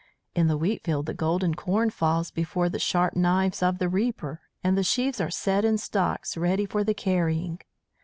"In the wheatfield the golden corn falls before the sharp knives of the reaper, and the sheaves are set in stooks ready for the carrying.